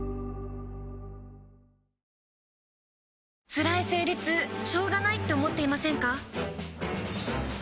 つらい生理痛しょうがないって思っていませんか？